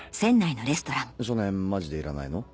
少年マジでいらないの？